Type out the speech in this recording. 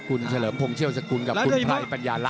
คุณเฉลิมพงศเชี่ยวสกุลกับคุณไพรปัญญาลักษ